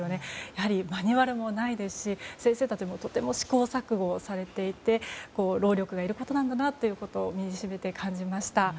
やはりマニュアルもないですし先生たちもとても試行錯誤されていて労力がいることなんだなと身にしみて感じました。